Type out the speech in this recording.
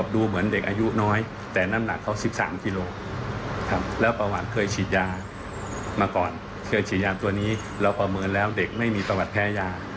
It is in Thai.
เราประเมินแล้วเด็กไม่มีประวัติแพ้ยา